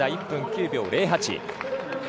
１分９秒０８。